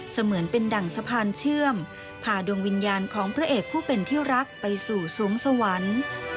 เหมือนเป็นดั่งสะพานเชื่อมพาดวงวิญญาณของพระเอกผู้เป็นที่รักไปสู่สวงสวรรค์